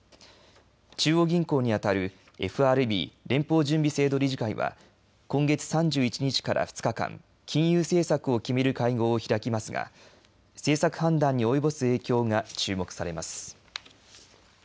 中央銀行に当たるＦＲＢ、連邦準備制度理事会は今月３１日から２日間金融政策を決める会合を開きますが政策判断に及ぼす影響が注目されます。